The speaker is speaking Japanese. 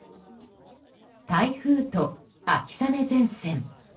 台風と秋雨前線。